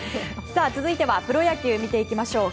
続いてはプロ野球見ていきましょう。